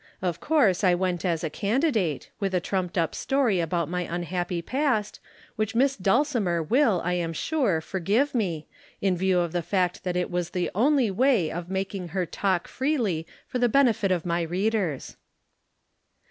Of course I went as a candidate, with a trumped up story about my unhappy past, which Miss Dulcimer will, I am sure, forgive me, in view of the fact that it was the only way of making her talk freely for the benefit of my readers."